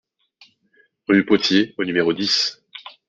Rue Potier au numéro dix